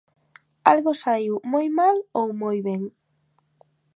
Algo saíu moi mal ou moi ben?